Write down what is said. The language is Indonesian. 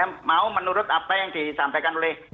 mau menurut apa yang disampaikan oleh